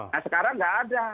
nah sekarang nggak ada